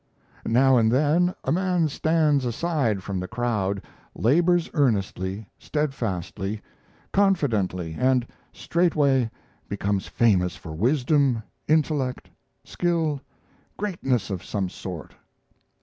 Now and then a man stands aside from the crowd, labors earnestly, steadfastly, confidently, and straightway becomes famous for wisdom, intellect, skill, greatness of some sort.